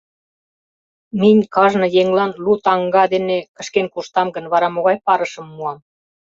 Минь кажне еҥлан лу таҥга дене кышкен коштам гын, вара могай парышым муам.